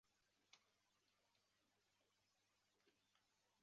加里波第站是巴黎地铁的一个车站。